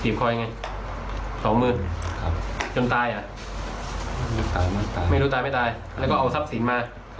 ติมตายอย่างนี้ไม่รู้ตายไม่ตายแล้วก็เอาทรัพย์สินมา